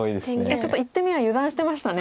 ちょっと１手目は油断してましたね。